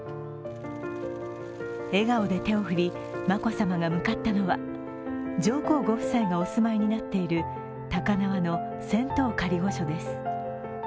笑顔で手を振り眞子さまが向かったのは上皇ご夫妻がお住まいになっている高輪の仙洞仮御所です。